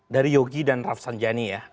dari yogi dan rafsanjani ya